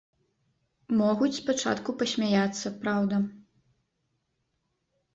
Могуць спачатку пасмяяцца, праўда.